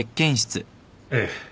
ええ。